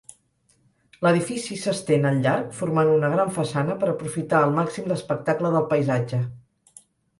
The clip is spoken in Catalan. L'edifici s'estén al llarg formant una gran façana per aprofitar al màxim l'espectacle del paisatge.